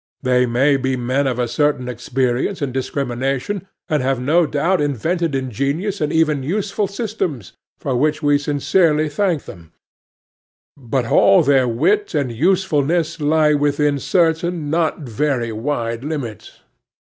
They may be men of a certain experience and discrimination, and have no doubt invented ingenious and even useful systems, for which we sincerely thank them; but all their wit and usefulness lie within certain not very wide limits.